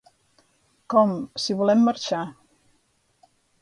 Com, si volem marxar!